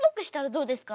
こうですか？